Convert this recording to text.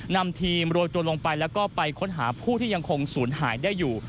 นำทีมโรยตัวลงไปแล้วก็ไปค้นหาผู้ที่ยังคงศูนย์หายได้อยู่